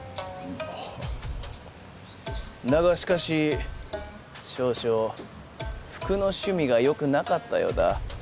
だがしかし少々服の趣味が良くなかったようだ。